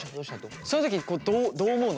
そういう時どう思うの？